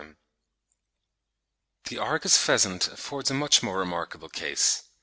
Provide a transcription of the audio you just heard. ] The Argus pheasant affords a much more remarkable case.